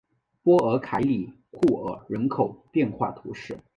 波尔凯里库尔人口变化图示